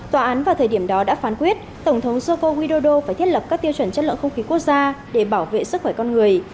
tòa án vào thời điểm đó đã phán quyết tổng thống joko widodo phải thiết lập các tiêu chuẩn chất lượng không khí quốc gia để bảo vệ sức khỏe con người